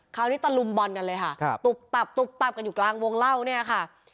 คราวนี้ตะลุมบอลกันเลยค่ะตุ๊บตับตุ๊บตับกันอยู่กลางวงเล่าเนี่ยค่ะ